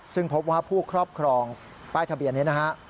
ซึ่งพบว่าผู้ครอบครองป้ายทะเบียนนี้นะฮะ